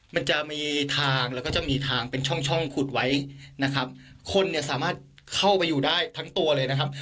มันจะมีทางแล้วก็จะมีทางเป็นช่องช่องขุดไว้นะครับคนเนี่ยสามารถเข้าไปอยู่ได้ทั้งตัวเลยนะครับ